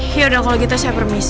yaudah kalau gitu saya permisi